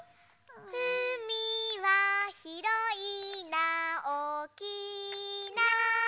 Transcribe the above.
「うみはひろいなおおきいな」